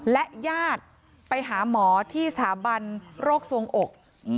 และญาติไปหาหมอที่สถาบันโรคสวงอก